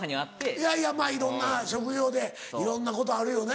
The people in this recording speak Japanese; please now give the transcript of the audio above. いやいやまぁいろんな職業でいろんなことあるよね。